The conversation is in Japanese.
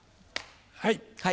はい。